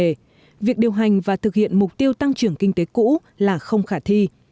vì vậy việc điều hành và thực hiện mục tiêu tăng trưởng kinh tế cũ là không khả thi